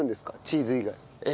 チーズ以外に。